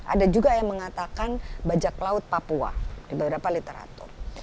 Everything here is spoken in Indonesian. ada juga yang mengatakan bajak laut papua di beberapa literatur